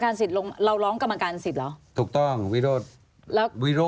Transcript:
เราร้องกรรมการสิทธิ์เหรอ